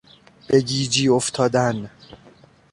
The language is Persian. به گیجی افتادن